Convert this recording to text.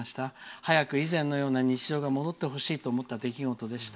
早く、以前のような日常が戻ってほしいと思った出来事でした」。